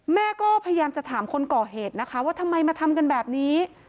แม่ก็พยายามจะถามคนก่อเหตุนะคะว่าทำไมมาทำกันแบบนี้